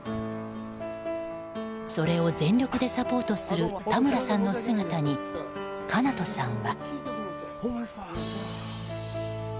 それを全力でサポートする田村さんの姿にかなとさんは。